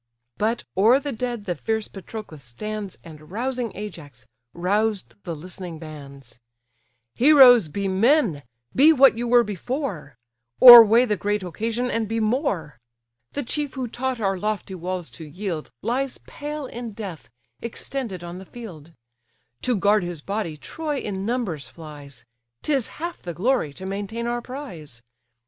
But o'er the dead the fierce Patroclus stands, And rousing Ajax, roused the listening bands: "Heroes, be men; be what you were before; Or weigh the great occasion, and be more. The chief who taught our lofty walls to yield, Lies pale in death, extended on the field. To guard his body Troy in numbers flies; 'Tis half the glory to maintain our prize.